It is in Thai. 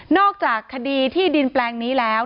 จากคดีที่ดินแปลงนี้แล้ว